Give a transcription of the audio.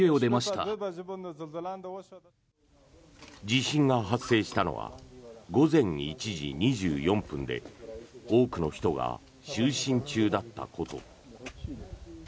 地震が発生したのは午前１時２４分で多くの人が就寝中だったこと。